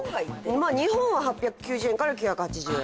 日本は８９０円から９８０円。